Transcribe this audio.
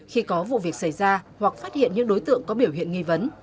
khi có vụ việc xảy ra hoặc phát hiện những đối tượng có biểu hiện nghi vấn